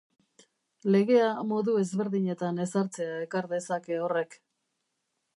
Legea modu ezberdinetan ezartzea ekar dezake horrek.